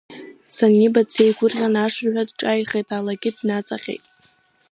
Саниба дсеигәырӷьан, ашырҳәа иҿааихеит, алагьы днаҵаҟьеит.